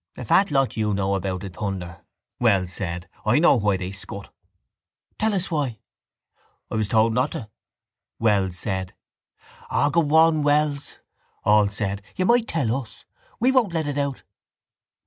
—A fat lot you know about it, Thunder! Wells said. I know why they scut. —Tell us why. —I was told not to, Wells said. —O, go on, Wells, all said. You might tell us. We won't let it out.